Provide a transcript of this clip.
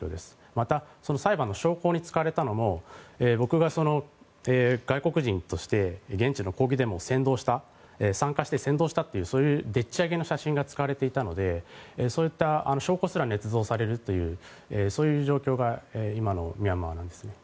また、裁判の証拠に使われたのも僕が外国人として現地の抗議デモを扇動した参加して扇動したというそういうでっち上げの写真が使われていたのでそういった証拠すらねつ造されるというそういう状況が今のミャンマーなんですね。